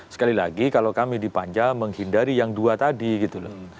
sekali lagi kalau kami di panja menghindari yang dua tadi gitu loh